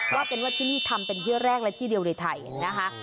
ว่าเป็นว่าที่นี่ทำเป็นที่แรกและที่เดียวในไทยนะคะ